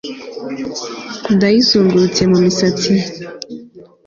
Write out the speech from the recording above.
Ndayizungurutse mumisatsi ye